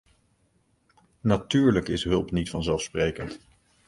Natuurlijk is hulp niet vanzelfsprekend.